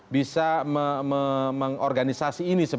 bisa mengorganisasi ini